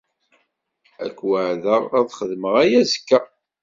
Ad k-weɛdeɣ ad xedmeɣ aya azekka.